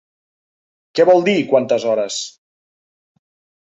¿Què vol dir, quantes hores?